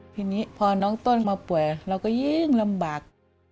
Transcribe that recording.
ทีนี้พอน้องต้นมาป่วยเราก็ยิ่งลำบาก